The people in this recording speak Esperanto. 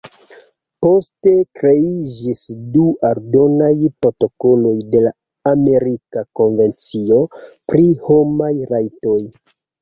Poste kreiĝis du aldonaj protokoloj de la Amerika Konvencio pri Homaj Rajtoj.